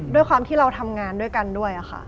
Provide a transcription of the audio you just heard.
ด้วยความที่เราทำงานด้วยกันด้วยค่ะ